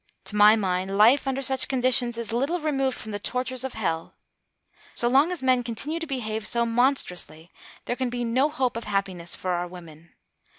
To my mind, life under such conditions is little removed from the tortures of hell. So long as men continue to behave so monstrously, there can be no hope of happiness for our women.